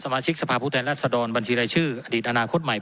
มาชิกสภาพผู้แทนรัศดรบัญชีรายชื่ออดีตอนาคตใหม่